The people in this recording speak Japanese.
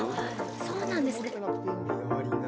そうなんですね。